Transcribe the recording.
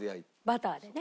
バターでね。